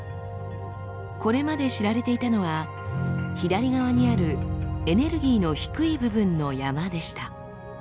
これまで知られていたのは左側にあるエネルギーの低い部分の山でした。